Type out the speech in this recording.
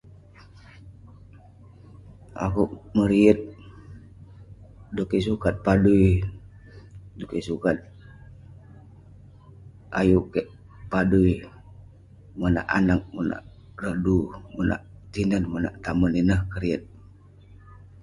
Akouk meriyet dan kek sukat padui, dan kek sukat ayuk kek padui. Monak anag, monak rodu, monak tinen, monak tamen. Ineh keriyet.